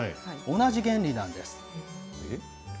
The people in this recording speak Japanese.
同じ原理なんです。